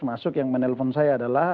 masuk yang menelpon saya adalah